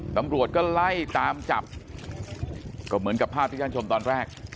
ตำรวจก็ไล่ตามจับก็เหมือนกับภาพที่ท่านชมตอนแรก